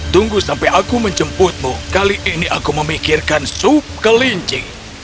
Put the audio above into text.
tunggu sampai aku menjemputmu kali ini aku memikirkan sup kelinci